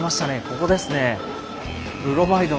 ここですね。